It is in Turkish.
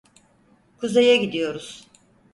Kuzeye gidiyoruz.